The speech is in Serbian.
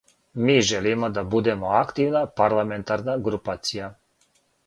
Ми желимо да будемо активна парламентарна групација.